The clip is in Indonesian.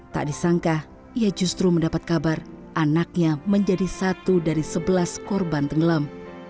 tak disangka ia justru mendapat kabar anaknya menjadi satu dari sebelas korban tenggelam